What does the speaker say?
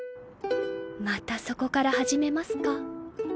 またそこから始めますか？